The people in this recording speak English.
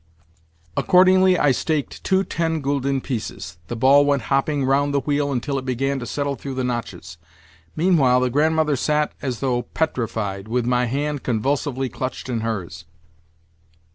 Accordingly I staked two ten gülden pieces. The ball went hopping round the wheel until it began to settle through the notches. Meanwhile the Grandmother sat as though petrified, with my hand convulsively clutched in hers.